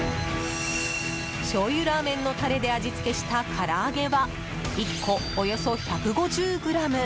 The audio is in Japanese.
しょうゆラーメンのタレで味付けしたから揚げは１個およそ１５０ｇ。